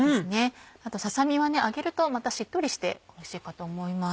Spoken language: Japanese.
ささ身は揚げるとまたしっとりしておいしいかと思います。